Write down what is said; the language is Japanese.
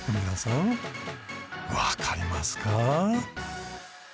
皆さんわかりますか？